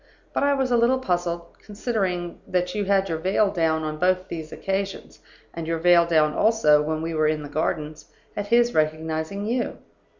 But I was a little puzzled (considering that you had your veil down on both those occasions, and your veil down also when we were in the Gardens) at his recognizing you.